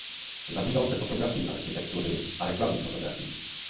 Zabýval se fotografií architektury a reklamní fotografií.